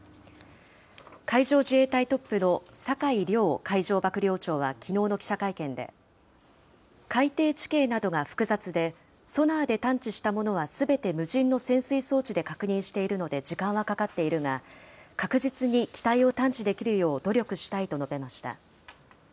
海上自衛隊トップの酒井良海上幕僚長はきのうの記者会見で、海底地形などが複雑で、ソナーで探知したものはすべて無人の潜水装置で確認しているので、時間はかかっているが、確実に機体を探知できるよう努力したいと述べました。